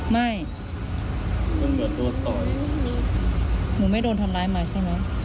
ไม่มันเหมือนตัวต่อไม่ดีหรอหนูไม่โดนทำล้ายไปใช่ไหม